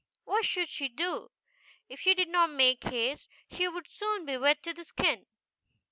What should she do? If she did not make haste she would soon be wet to the skin.